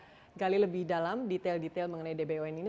nanti kita gali lebih dalam detail detail mengenai db satu ini